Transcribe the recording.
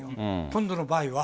今度の場合は。